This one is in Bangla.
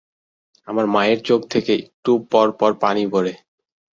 আমার মায়ের চোখ থেকে একটু পর পর পানি পড়ে।